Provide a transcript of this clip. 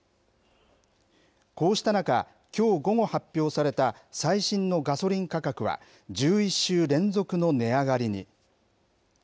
こうした中、きょう午後発表された最新のガソリン価格は、１１週連続の値上がりに。